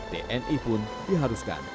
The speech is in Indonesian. tni pun diharuskan